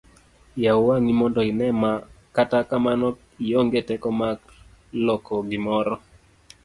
yaw wang'i mondo ine ma, kata kamano ionge teko marlokogimoro